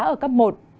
ở cấp một